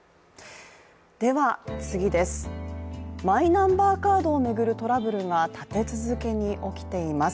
マイナンバーカードを巡るトラブルが立て続けに起きています。